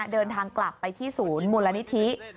เดินทางกลับไปที่ศูนย์มูลนิธิ